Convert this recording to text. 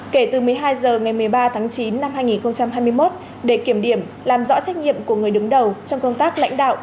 kể từ một mươi hai h ngày một mươi ba tháng chín năm hai nghìn hai mươi một để kiểm điểm làm rõ trách nhiệm của người đứng đầu trong công tác lãnh đạo